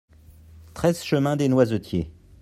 treize chemin Dès Noisetiers